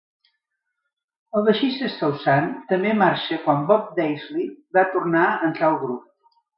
El baixista Soussan també marxar quan Bob Daisley va tornar a entrar al grup.